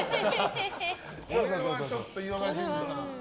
これはちょっと岩川淳二さん